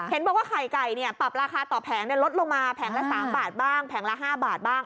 เห็นบอกว่าไข่ไก่ปรับราคาต่อแผงลดลงมาแผงละ๓บาทบ้างแผงละ๕บาทบ้าง